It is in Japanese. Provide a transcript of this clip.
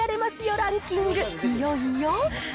ランキング、いよいよ。